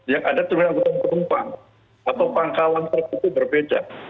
yang ada terminal anpotong penumpang atau pangkalan tersebut itu berbeda